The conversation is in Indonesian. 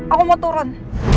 aku mau turun